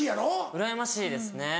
うらやましいですね。